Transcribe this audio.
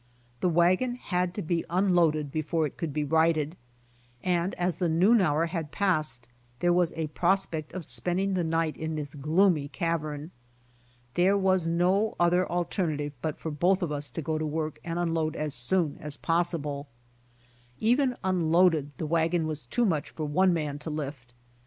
The wagon had to be unloaded before it could be righted, and as the noon hour had passed there was a prospect of spending the night in this gloomy cavern. There was no other alternative but for both of us to go to worli and unload as soon as possible. Even unloaded the wagon was too much for one man to lift.